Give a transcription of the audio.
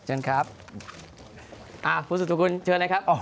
เอ้าพวกสุธรกลเชิญเลยครับ